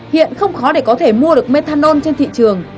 hiện không khó để có thể mua được methanol trên thị trường